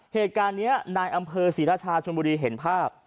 เหตุการณ์นี้นายอำเภอศรีราชาชนบุรีเห็นภาพ